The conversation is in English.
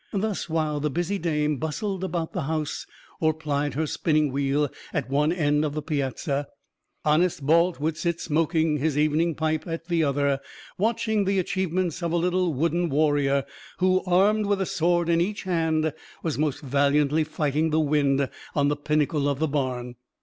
Thus, while the busy dame bustled about the house, or plied her spinning wheel at one end of the piazza, honest Balt would sit smoking his evening pipe at the other, watching the achievements of a little wooden warrior, who, armed with a sword in each hand, was most valiantly fighting the wind on the pinnacle of the barn.